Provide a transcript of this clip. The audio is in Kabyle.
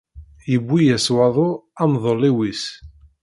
Yewwi-yas waḍu amḍelliw-is.